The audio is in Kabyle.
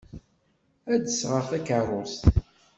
Ad d-sɣeɣ takeṛṛust.